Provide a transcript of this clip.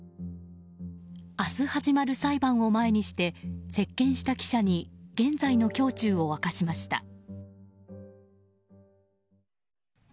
明日始まる裁判を前にして接見した記者に現在の胸中を明かしました。